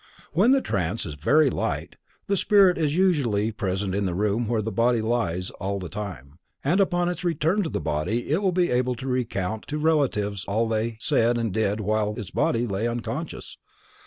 When the trance is very light, the spirit is usually present in the room where its body lies all the time, and upon its return to the body it will be able to recount to relatives all they said and did while its body lay unconscious.